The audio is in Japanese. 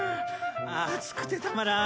暑くてたまらん。